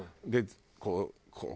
でこう。